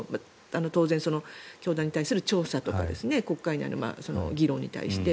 当然、教団に対する調査とか国会内の議論に対して。